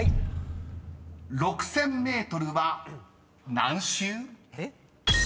［６，０００ｍは何周？］